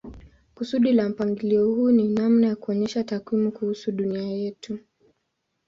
Kusudi la mpangilio huu ni namna ya kuonyesha takwimu kuhusu dunia yetu.